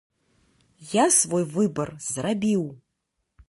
Я свой выбар зрабіў.